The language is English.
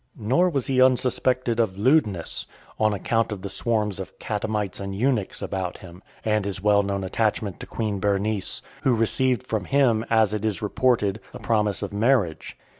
Nor was he unsuspected of lewdness, on account of the swarms of catamites and eunuchs about him, and his well known attachment to queen Berenice , who received from him, as it is reported, a promise of marriage.